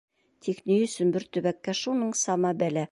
Тик ни өсөн бер төбәккә шуның сама бәлә?